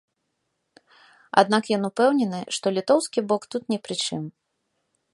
Аднак ён упэўнены, што літоўскі бок тут ні пры чым.